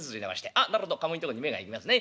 あっなるほど鴨居んとこに目が行きますね。